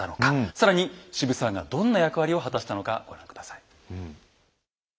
更に渋沢がどんな役割を果たしたのかご覧下さい。